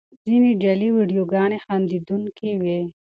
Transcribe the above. ځینې جعلي ویډیوګانې خندوونکې وي.